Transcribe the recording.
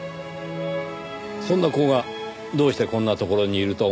そんな子がどうしてこんな所にいると思いました？